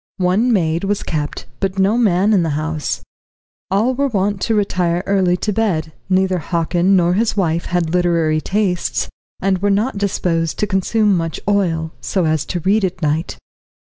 One maid was kept, but no man in the house. All were wont to retire early to bed; neither Hockin nor his wife had literary tastes, and were not disposed to consume much oil, so as to read at night.